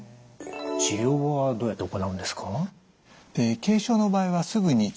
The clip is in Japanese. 治療はどうやって行うんですか？